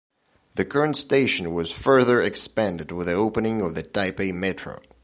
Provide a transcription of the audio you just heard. The current station was further expanded with the opening of the Taipei Metro.